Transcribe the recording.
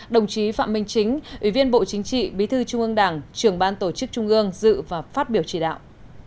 đồng chí phạm minh chính ủy viên bộ chính trị bí thư trung ương đảng trưởng ban tổ chức trung ương dự và phát biểu chỉ đạo